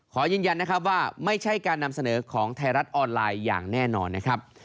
ขอยืนยันนะครับว่าไม่ใช่การนำเสนอของไทยรัฐออนไลน์อย่างแน่นอนนะครับ